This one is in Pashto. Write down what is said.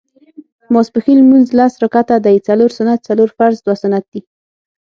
ماسپښېن لمونځ لس رکعته دی څلور سنت څلور فرض دوه سنت دي